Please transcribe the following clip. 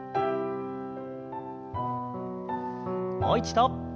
もう一度。